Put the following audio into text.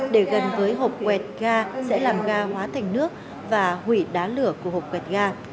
để gần với hộp quẹt ga sẽ làm ga hóa thành nước và hủy đá lửa của hộp quẹt ga